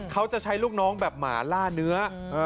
เขาจะใช้ลูกน้องแบบหมาล่าเนื้อ